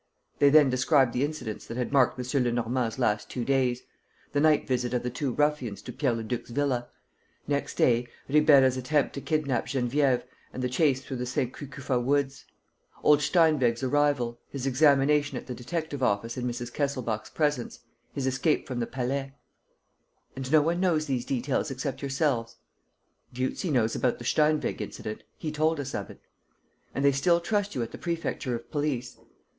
They then described the incidents that had marked M. Lenormand's last two days: the night visit of the two ruffians to Pierre Leduc's villa; next day, Ribeira's attempt to kidnap Geneviève and the chase through the Saint Cucufa woods; old Steinweg's arrival, his examination at the detective office in Mrs. Kesselbach's presence, his escape from the Palais. ... "And no one knows these details except yourselves?" "Dieuzy knows about the Steinweg incident: he told us of it." "And they still trust you at the Prefecture of Police?"